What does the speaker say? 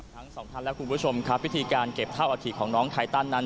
ทั้งสองท่านและคุณผู้ชมครับวิธีการเก็บเท่าอาถิของน้องไทตันนั้น